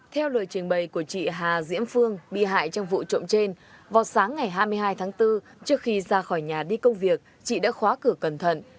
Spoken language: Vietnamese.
theo lời trình bày của chị hà diễm phương bị hại trong vụ trộm trên vào sáng ngày hai mươi hai tháng bốn trước khi ra khỏi nhà đi công việc chị đã khóa cửa cẩn thận